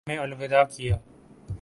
ہمیں الوداع کیا